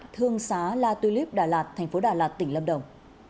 thương xá la tulip đà lạt thành phố đà lạt tỉnh lâm đồng